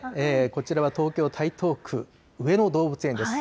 こちらは東京・台東区上野動物園です。